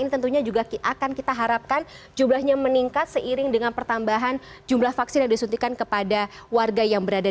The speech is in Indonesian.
tentunya juga akan kita harapkan jumlahnya meningkat seiring dengan pertambahan jumlah vaksin yang disuntikan kepada warga yang berada